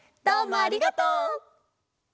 どうもありがとう！